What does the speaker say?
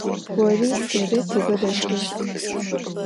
Vori seri tızedeşşxeşt.